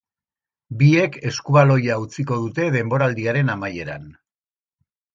Biek eskubaloia utziko dute denboraldiaren amaieran.